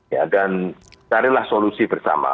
ya dan carilah solusi bersama